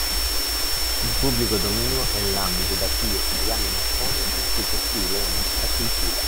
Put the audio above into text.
Il pubblico dominio è l'ambito da cui estraiamo i mattoni con cui costruire la nostra cultura.